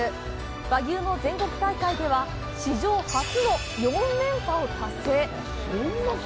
和牛の全国大会では史上初の４連覇を達成！